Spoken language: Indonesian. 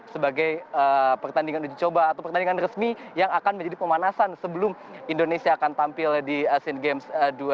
sebagai pertandingan uji coba atau pertandingan resmi yang akan menjadi pemanasan sebelum indonesia akan tampil di asian games dua ribu delapan belas